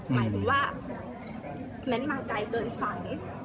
หมายถึงว่าเม้นต์มาไกลเกินฝัน